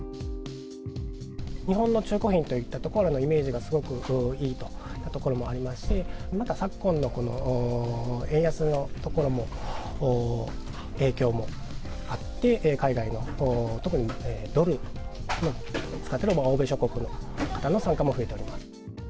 日本の中古品といったところのイメージがすごくいいといったところもありますし、また昨今の円安のところも、影響もあって、海外の、特にドルを使っている欧米諸国の方の参加も増えております。